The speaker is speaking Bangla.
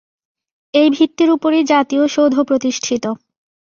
এই ভিত্তির উপরই জাতীয় সৌধ প্রতিষ্ঠিত।